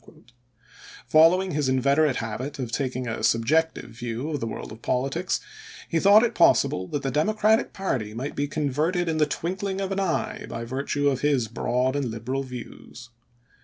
Follow ing his inveterate habit of taking a subjective view of the world of politics, he thought it possible that the Democratic party might be converted in the twinkling of an eye by virtue of his broad and liberal views.